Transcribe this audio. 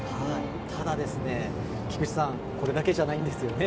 ただ、これだけじゃないんですよね。